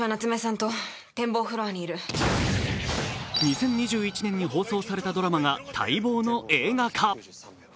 ２０２１年に放送されたドラマが待望の映画化。